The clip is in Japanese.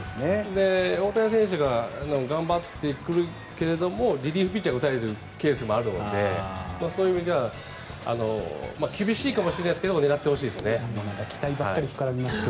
大谷選手が頑張ってくるけれどもリリーフピッチャーが打たれるケースもあるのでそういう意味では厳しいかもしれないですけど期待ばかり膨らみますが。